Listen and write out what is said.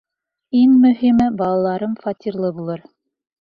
Иң мөһиме, балаларым фатирлы булыр.